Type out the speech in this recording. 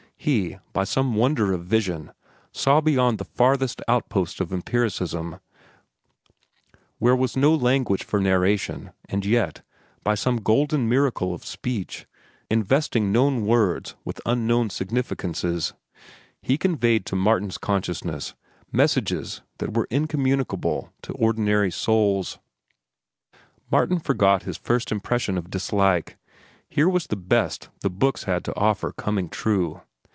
He, by some wonder of vision, saw beyond the farthest outpost of empiricism, where was no language for narration, and yet, by some golden miracle of speech, investing known words with unknown significances, he conveyed to Martin's consciousness messages that were incommunicable to ordinary souls. Martin forgot his first impression of dislike. Here was the best the books had to offer coming true.